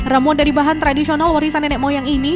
ramuan dari bahan tradisional warisan nenek moyang ini